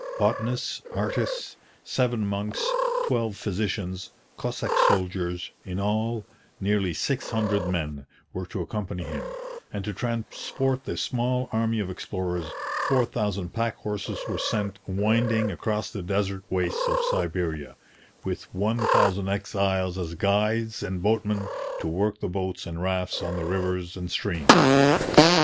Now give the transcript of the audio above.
Botanists, artists, seven monks, twelve physicians, Cossack soldiers in all, nearly six hundred men were to accompany him; and to transport this small army of explorers, four thousand pack horses were sent winding across the desert wastes of Siberia, with one thousand exiles as guides and boatmen to work the boats and rafts on the rivers and streams.